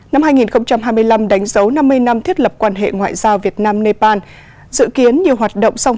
năm hai nghìn hai mươi năm đánh dấu năm mươi năm thiết lập quan hệ ngoại giao việt nam nepal dự kiến nhiều hoạt động song